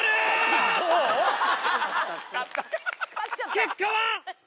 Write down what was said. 結果は。